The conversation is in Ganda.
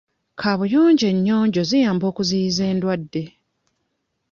Kaabuyonjo ennyonjo ziyamba okuziiyiza endwadde.